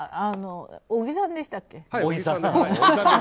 小木さんでしたっけ。